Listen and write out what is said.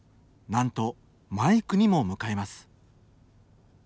なんとマイクにも向かいます。